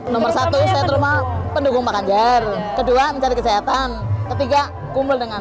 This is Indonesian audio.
nomor satu saya terima pendukung pak ganjar kedua mencari kesehatan ketiga kumpul dengan